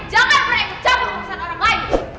jangan pernah ikut cabang urusan orang lain